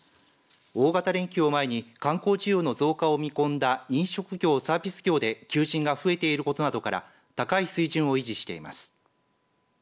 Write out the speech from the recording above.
大型連休を前に観光需要の増加を見込んだ飲食業・サービス業で求人が増えていることなどから高い水準を維持しています。